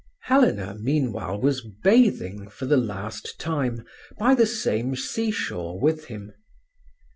Helena, meanwhile, was bathing, for the last time, by the same sea shore with him.